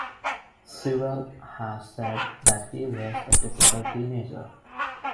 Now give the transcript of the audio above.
Sewell has said that he was a difficult teenager.